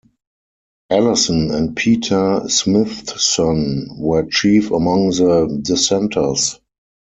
Alison and Peter Smithson were chief among the dissenters.